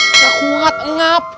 enggak kuat engap